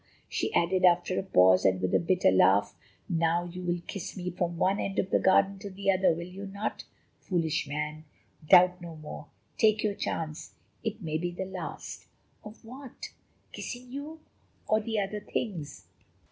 she added after a pause, with a little bitter laugh, "now you will kiss me from one end of the garden to the other, will you not? Foolish man! Doubt no more; take your chance, it may be the last." "Of what? Kissing you? Or the other things?"